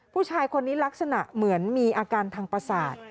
ผู้ชายคนนี้ลักษณะเหมือนมีอาการทางประสาท